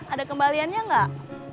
ada kembaliannya gak